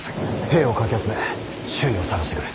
兵をかき集め周囲を捜してくれ。